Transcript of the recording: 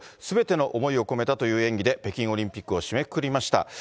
すべての思いを込めたという演技で、北京オリンピックを締めくくりました。